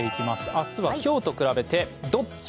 明日は今日と比べて、どっち？